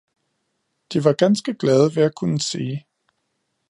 De var ganske glade ved at kunne sige